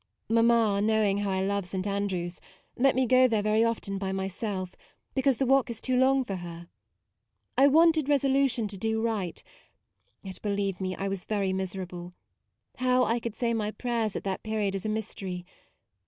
Mamma, knowing how I love St. Andrew's, let me go there very often by myself, because the walk is too long for her. I wanted resolution to do right, yet MAUDE in believe me I was very miserable: how I could say my prayers at that period is a mystery.